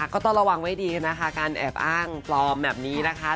ก็ต้องระวังไว้ดีนะคะการแอบอ้างปลอมแบบนี้นะคะ